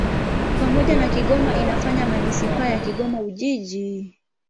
Pamoja na Kigoma inafanya manisipaa ya Kigoma-Ujiji.